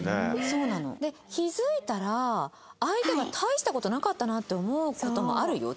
そうなの。で気付いたら相手が大した事なかったなって思う事もあるよ